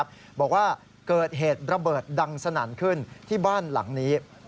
บอกว่าเกิดเหตุระเบิดดังสนั่นขึ้นที่บ้านหลังนี้